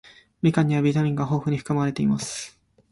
みかんにはビタミンが豊富に含まれています。